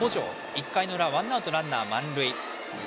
１回の裏、ワンアウトランナー満塁。